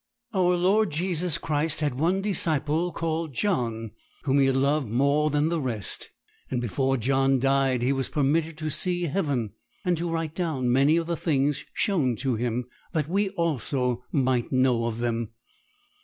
'Our Lord Jesus Christ had one disciple, called John, whom He loved more than the rest; and before John died he was permitted to see heaven, and to write down many of the things shown to him, that we also might know of them.